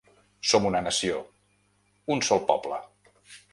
Som una nació, un sol poble.